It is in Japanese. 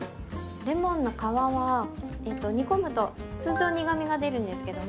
レモンの皮は煮込むと通常苦みが出るんですけども。